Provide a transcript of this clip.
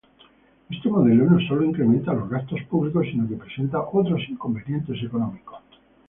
Este modelo no solo incrementa los gastos públicos sino que presenta otros inconvenientes económicos.